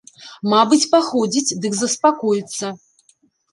Мабыць, паходзіць, дык заспакоіцца.